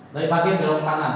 dari parkir belok ke kanan